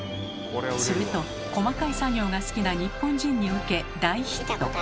すると細かい作業が好きな日本人に受け大ヒット。